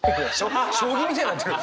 将棋みたいになってる！